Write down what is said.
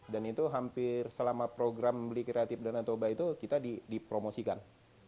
dan itu hampir selama program bkdt itu kita dipromosikan